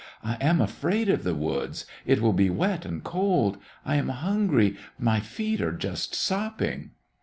I am afraid of the woods! It will be wet and cold! I am hungry! My feet are just sopping!"